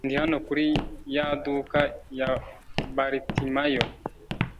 Ndi hano kuri ya duka ya Baritimayo.